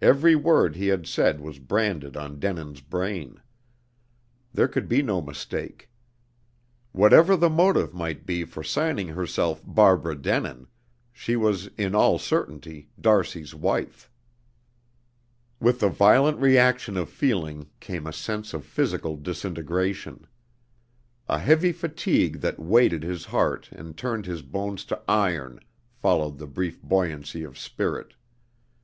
Every word he had said was branded on Denin's brain. There could be no mistake. Whatever the motive might be for signing herself Barbara Denin, she was in all certainty d'Arcy's wife. With the violent reaction of feeling came a sense of physical disintegration. A heavy fatigue that weighted his heart and turned his bones to iron followed the brief buoyancy of spirit.